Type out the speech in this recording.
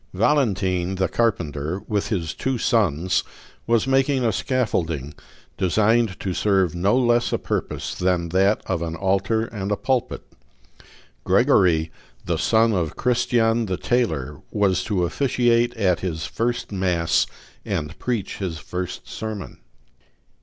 Valentine the carpenter, with his two sons, was making a scaffolding, designed to serve no less a purpose than that of an altar and a pulpit. Gregory, the son of Christian the tailor, was to officiate at his first mass and preach his first sermon.